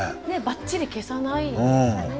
ばっちり消さないんですね。